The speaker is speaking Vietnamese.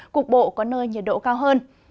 cục bộ có nơi nhiệt độ cao hơn